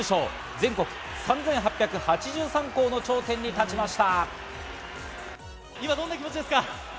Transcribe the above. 全国３８８３校の頂点に立ちました。